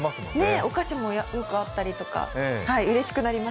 お菓子もあったりうれしくなります。